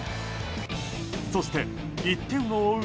そして１点を追う